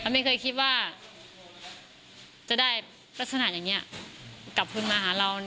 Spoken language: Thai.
ไม่เคยคิดว่าจะได้ลักษณะอย่างนี้กลับคืนมาหาเรา